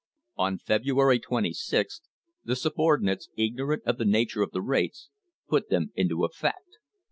On February 26, the subor dinates, ignorant of the nature of the rates, put them into effect.